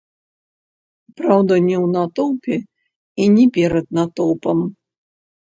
Праўда, не ў натоўпе і не перад натоўпам.